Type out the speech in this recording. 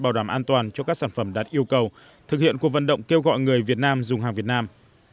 bảo đảm an toàn cho các sản phẩm đạt yêu cầu thực hiện cuộc vận động kêu gọi người việt nam dùng hàng việt nam